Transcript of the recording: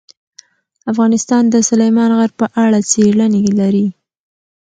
افغانستان د سلیمان غر په اړه څېړنې لري.